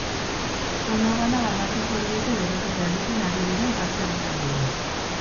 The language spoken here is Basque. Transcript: Kono bana banatuko diete beroketa egiten ari diren parte-hartzaileei.